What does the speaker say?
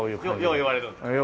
よう言われるんで。